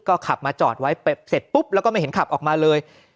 ก็ขับมาจอดไว้เสร็จปุ๊บแล้วก็ไม่เห็นขับออกมาเลย